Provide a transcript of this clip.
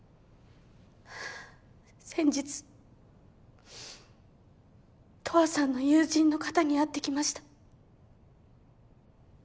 先日十和さんの友人の方に会ってきました。